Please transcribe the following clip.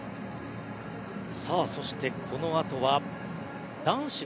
そして、このあとは。